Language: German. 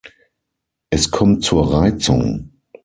Es kommt zur Reizung.